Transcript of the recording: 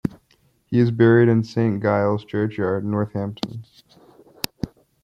He is buried in Saint Giles's churchyard, Northampton.